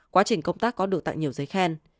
quá trình công tác có được tại nhiều giấy khen